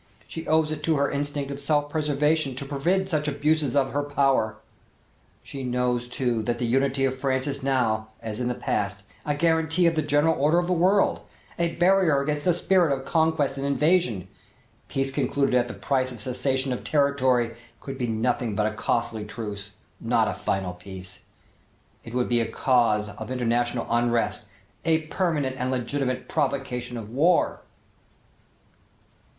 She owes it to her instinct of self preservation to forbid such abuses of her power. She knows too that the unity of France is now, as in the past, a guarantee of the general order of the world, a barrier against the spirit of conquest and invasion. Peace concluded at the price of cession of territory could be nothing but a costly truce, not a final peace. It would be for a cause of international unrest, a permanent and legitimate provocation of war."